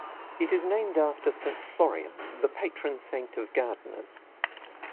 It is named after Saint Florian, the patron saint of gardeners.